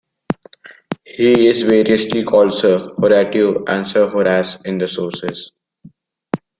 He is variously called Sir Horatio and Sir Horace in the sources.